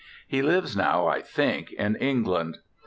He lives now, I think, in England.